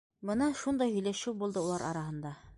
Бына шундай һөйләшеү булды улар араһында.